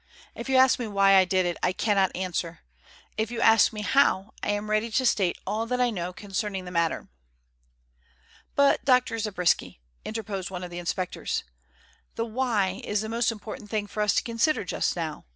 "If you ask me why I did it, I cannot answer; if you ask me how, I am ready to state all that I know concerning the matter." "But, Dr. Zabriskie," interposed one of the inspectors, "the why is the most important thing for us to consider just now.